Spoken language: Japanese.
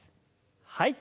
はい。